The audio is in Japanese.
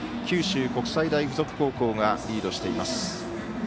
九州国際大付属高校がリードしています。